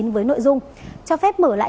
với nội dung cho phép mở lại